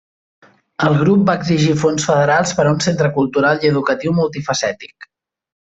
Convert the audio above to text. El grup va exigir fons federals per a un centre cultural i educatiu multifacètic.